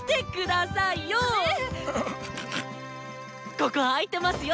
ここあいてますよ！